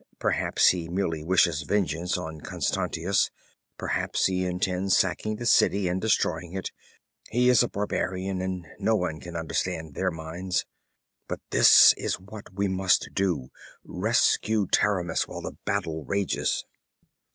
Perhaps he merely wishes vengeance on Constantius. Perhaps he intends sacking the city and destroying it. He is a barbarian and no one can understand their minds. 'But this is what we must do: rescue Taramis while the battle rages!